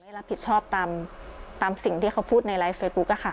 รับผิดชอบตามสิ่งที่เขาพูดในไลฟ์เฟซบุ๊ก